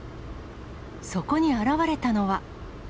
そこに現れたのは。